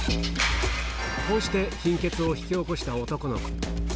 こうして貧血を引き起こした男の子。